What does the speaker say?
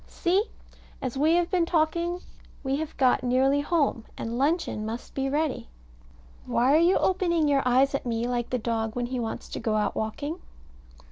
See! As we have been talking we have got nearly home: and luncheon must be ready. Why are you opening your eyes at me like the dog when he wants to go out walking?